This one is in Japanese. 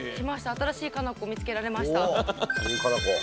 新しい佳菜子を見つけられました。